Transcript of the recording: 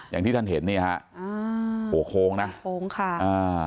อย่างที่ท่านเห็นนี่ของคงไหมครับ